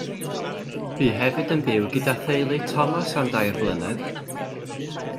Bu hefyd yn byw gyda theulu Thomas am dair blynedd.